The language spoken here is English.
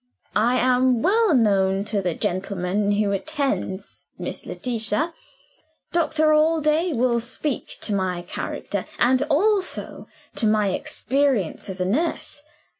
I am well known to the gentleman who attends Miss Letitia. Dr. Allday will speak to my character and also to my experience as a nurse.